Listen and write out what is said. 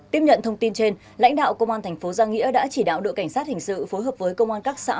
tiếp nhận thông tin trên lãnh đạo công an thành phố giang nghĩa đã chỉ đạo đội cảnh sát hình sự phối hợp với công an các xã